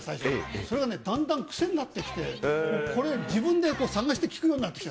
それがだんだん癖になってきて自分で探して聴くようになってきた。